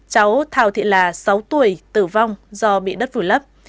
cháu thào thị là sáu tuổi tử vong do bị đất vùi lấp